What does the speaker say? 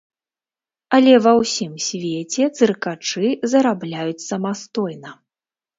Але ва ўсім свеце цыркачы зарабляюць самастойна!